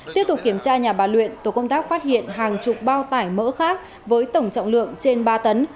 tiếp tục kiểm tra nhà bà luyện tổ công tác phát hiện hàng chục bao tải mỡ khác với tổng trọng lượng trên ba tấn